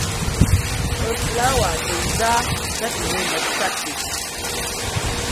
Pɛ flɔ̌wa tɛŋzá cʉ́ɛt nǔu mɛtsa tʉ.